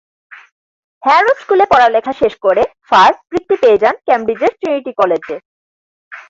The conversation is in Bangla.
হ্যারো স্কুলে পড়ালেখা শেষে ফার বৃত্তি পেয়ে যান কেমব্রিজের ট্রিনিটি কলেজে।